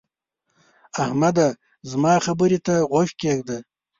احمده! زما خبرې ته غوږ کېږده.